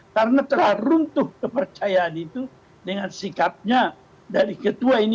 karena telah runtuh kepercayaan itu dengan sikapnya dari ketua ini